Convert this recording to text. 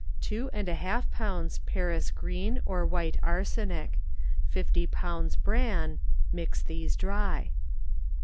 Two and a half pounds Paris green or white arsenic; fifty pounds bran (mix these dry).